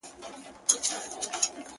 پوښتني لا هم ژوندۍ پاتې کيږي تل,